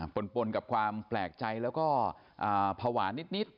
ปนกับความแปลกใจแล้วก็ภาวะนิด